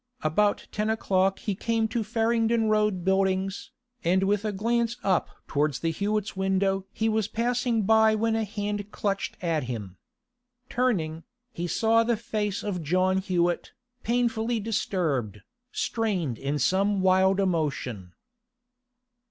About ten o'clock he came to Farringdon Road Buildings, and with a glance up towards the Hewetts' window he was passing by when a hand clutched at him. Turning, he saw the face of John Hewett, painfully disturbed, strained in some wild emotion.